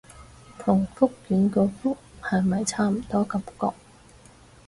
同覆卷個覆係咪差唔多感覺